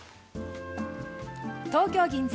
東京・銀座。